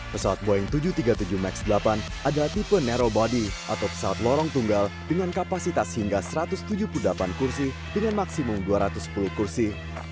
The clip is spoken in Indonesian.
pesawat boeing tujuh ratus tiga puluh tujuh max delapan adalah tipe narrow body atau pesawat lorong tunggal dengan kapasitas hingga satu ratus tujuh puluh delapan kursi dengan maksimum dua ratus sepuluh kursi